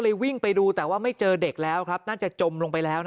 วิ่งไปดูแต่ว่าไม่เจอเด็กแล้วครับน่าจะจมลงไปแล้วนะ